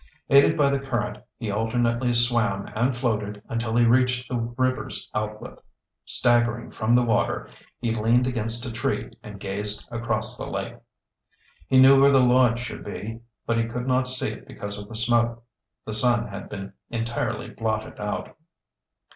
Aided by the current, he alternately swam and floated until he reached the river's outlet. Staggering from the water, he leaned against a tree and gazed across the lake. He knew where the lodge should be, but he could not see it because of the smoke. The sun had been entirely blotted out.